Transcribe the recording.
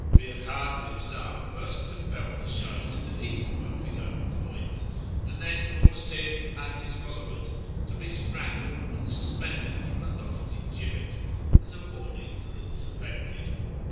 Ferhad Mirza first compelled the Sheykh to eat one of liis own coins, and then caused him and his followers to be strangled and suspended from a lofty gibbet as a warning to the disaffected.